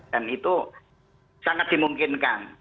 dan itu sangat dimungkinkan